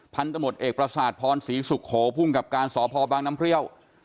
พันธุ์ตำรวจเอกประสาทพรศรีสุโขภูมิกับการสอบภอบางน้ำเพรี้ยว